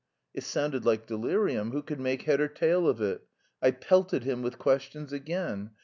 It sounded like delirium. Who could make head or tail of it? I pelted him with questions again.